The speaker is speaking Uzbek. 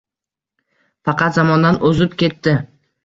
Faqat zamondan o‘zib ketdi.